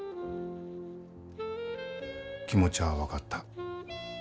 気持ちゃあ分かった。